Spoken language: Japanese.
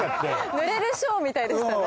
ぬれるショーみたいでしたね。